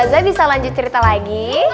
ayo ustazah bisa lanjut cerita lagi